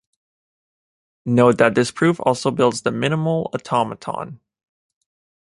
Note that this proof also builds the minimal automaton.